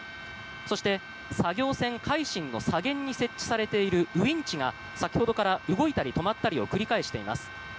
そして、作業船「海進」の左舷に設置されているウィンチが先ほどから動いたり止まったりを繰り返しています。